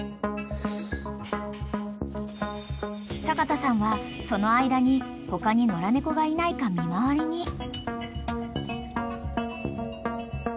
［阪田さんはその間に他に野良猫がいないか見回りに］